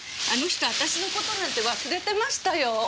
あの人私の事なんて忘れてましたよ。